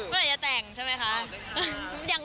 เมื่อไหร่จะแต่งใช่ไหมคะ